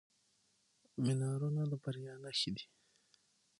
منارونه د بریا نښې دي.